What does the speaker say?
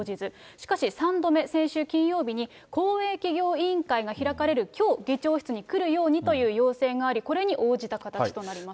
しかし３度目、先週金曜日に、公営企業委員会が開かれるきょう、議長室に来るようにという要請があり、これに応じた形となります。